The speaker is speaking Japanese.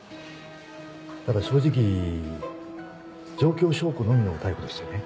ただ正直状況証拠のみの逮捕でしてね。